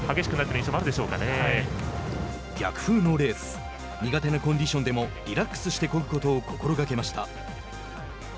逆風のレース苦手なコンディションでもリラックスしてこぐことを心がけました。